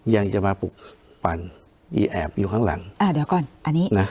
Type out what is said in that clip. ยังจะมาปลุกปั่นอีแอบอยู่ข้างหลังอ่าเดี๋ยวก่อนอันนี้นะ